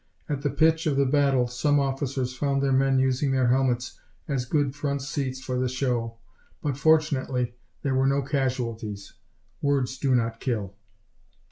At the pitch of the battle some officers found their men using their helmets as good front seats for the show, but fortunately there were no casualties. Words do not kill.